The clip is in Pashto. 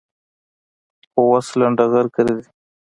خو اوس لنډغر گرځي.